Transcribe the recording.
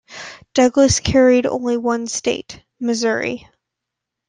Douglas carried only one state: Missouri.